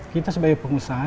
kita sebagai pengusaha